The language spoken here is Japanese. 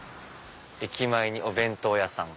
駅前にお弁当屋さん。